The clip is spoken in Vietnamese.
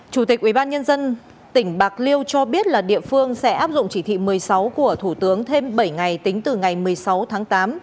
chủ tịch ubnd tỉnh bạc liêu cho biết là địa phương sẽ áp dụng chỉ thị một mươi sáu của thủ tướng thêm bảy ngày tính từ ngày một mươi sáu tháng tám